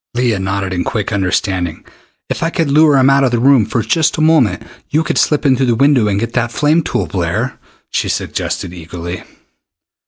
Leah nodded in quick understanding. "If I could lure him out of the room for just a moment, you could slip in through the window and get that flame tool, Blair," she suggested eagerly.